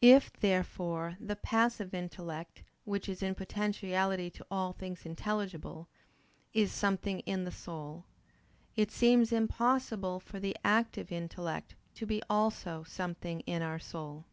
If, therefore, the passive intellect, which is in potentiality to all things intelligible, is something in the soul, it seems impossible for the active intellect to be also something in our soul.